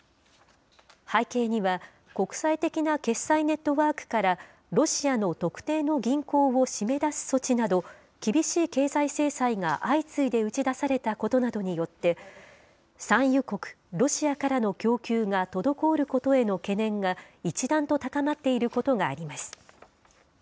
背景には、国際的な決済ネットワークからロシアの特定の銀行を締め出す措置など、厳しい経済制裁が相次いで打ち出されたことなどによって、産油国、ロシアからの供給が滞ることへの懸念が一段と高まっていることがあります。